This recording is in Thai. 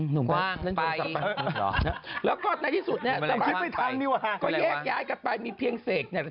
หนุ่มก็ไปหรอแล้วก็ในที่สุดเนี่ยก็แยกย้ายกันไปมีเพียงเสกเนี่ย